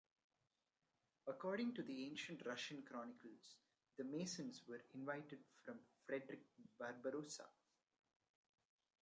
According to ancient Russian chronicles, the masons were invited from Friedrich Barbarossa.